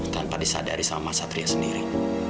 tanpa disadari sama mas satria sendiri